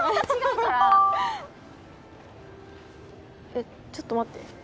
えちょっと待って。